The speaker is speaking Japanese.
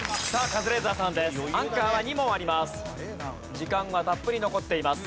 時間はたっぷり残っています。